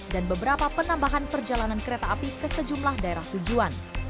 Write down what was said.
dan beberapa penambahan perjalanan kereta api ke sejumlah daerah tujuan